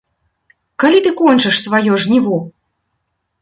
Калі ты кончыш сваё жніво?